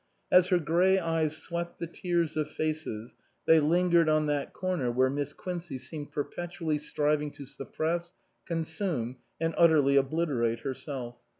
As her grey eyes swept the tiers of faces, they lingered on that corner where Miss Quincey seemed perpetually striving to suppress, consume, and utterly obliterate herself.